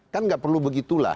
kan gak perlu begitu lah